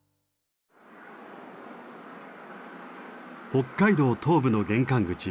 北海道東部の玄関口